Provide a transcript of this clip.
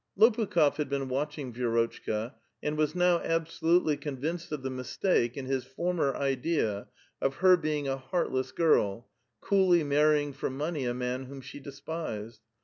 Lopukh6f had been watching Vi^rotchka, and was now absolutely convinced of the mistake in his former idea of her being a heartless girl, coolly marrying for money a man whom she despised.